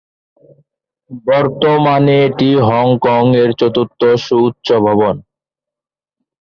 বর্তমানে এটি হংকংয়ের চতুর্থ সুউচ্চ ভবন।